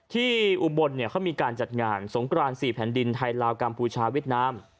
อุบลเขามีการจัดงานสงกราน๔แผ่นดินไทยลาวกัมพูชาเวียดนาม